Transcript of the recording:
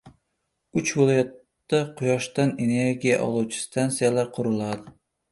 Uch viloyatda quyoshdan energiya oluvchi stantsiyalar quriladi